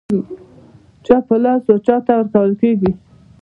چا په لاس و چاته ورکول کېږي.